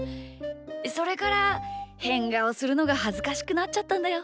それからへんがおするのがはずかしくなっちゃったんだよ。